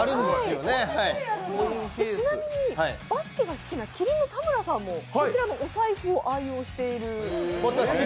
ちなみにバスケが好きな麒麟の田村さんもこちらのお財布を愛用している。